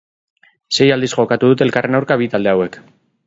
Sei aldiz jokatu dute elkarren aurka bi talde hauek.